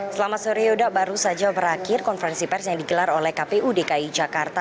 selamat sore yuda baru saja berakhir konferensi pers yang digelar oleh kpu dki jakarta